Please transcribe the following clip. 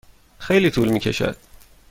خیلی طول می کشد.